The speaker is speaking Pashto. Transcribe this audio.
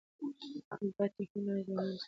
موږ باید تل هیله ژوندۍ وساتو